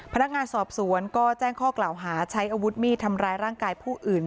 พนักงานสอบสวนก็แจ้งข้อกล่าวหาใช้อาวุธมีดทำร้ายร่างกายผู้อื่น